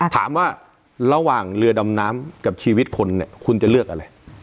ถามว่าระหว่างเรือดำน้ำกับชีวิตคนเนี่ยคุณจะเลือกอะไร